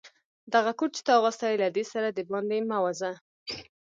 دغه کوټ چي تا اغوستی، له دې سره دباندي مه وزه.